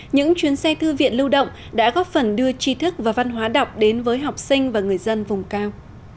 những chuyến xe thư viện lưu động đã góp phần đưa trí thức và văn hóa đọc đến với học sinh và người dân vùng cao